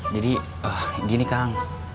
jadi gini kang